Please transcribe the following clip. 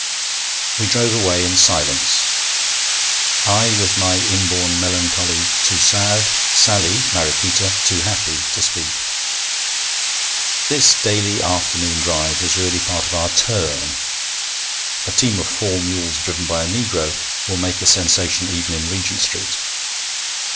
We drove away in silence I with my inborn melancholy too sad, Sally (Mariquita) too happy to speak. This daily afternoon drive was really part of our 'turn'! A team of four mules driven by a negro will make a sensation even in Regent Street.